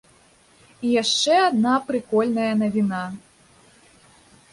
І яшчэ адна прыкольная навіна.